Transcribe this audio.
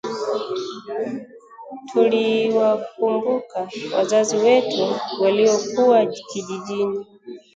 Tuliwakumbuka wazazi wetu waliokuwa kijijini